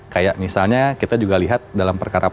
kayak misalnya kita juga lihat dalam perkara